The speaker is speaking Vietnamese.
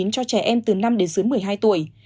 cho trẻ em từ năm đến dưới một mươi hai tuổi